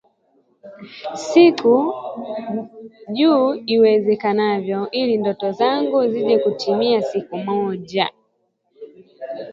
juu iwezekanayvo ili ndoto zangu zije kutimia siku moja